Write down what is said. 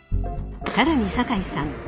更に酒井さん